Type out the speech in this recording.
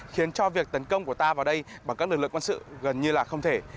khiến cho việc tấn công của ta vào đây bằng các lực lượng quân sự gần như là không thể